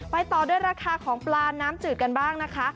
ต่อด้วยราคาของปลาน้ำจืดกันบ้างนะคะ